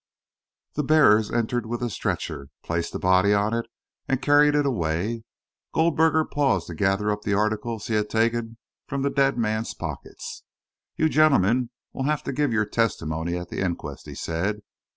The bearers entered with the stretcher, placed the body on it, and carried it away. Goldberger paused to gather up the articles he had taken from the dead man's pockets. "You gentlemen will have to give your testimony at the inquest," he said.